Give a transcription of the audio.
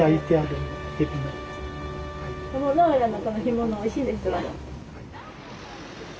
鞆の浦のこの干物おいしいですよ。